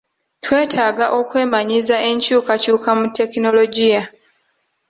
Twetaaga okwemanyiiza enkyukakyuka mu tekinologiya.